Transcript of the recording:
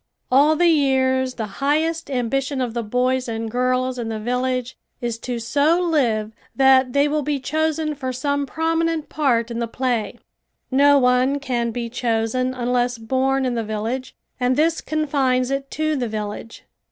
All the years the highest ambition of the boys and girls in the village is to so live that they will be chosen for some prominent part in the play. No one can be chosen unless born in the village and this confines it to the village.